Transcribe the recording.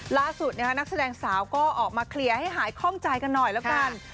ล่าสุดนักแสดงสาวก็ออกมาเคลียร์ให้หายคล่องใจกันหน่อยแล้วกัน